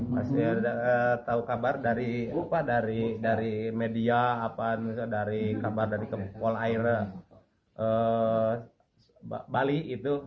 masih ada kabar dari media dari kabar dari pol aire bali itu